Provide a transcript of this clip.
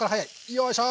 よいしょ！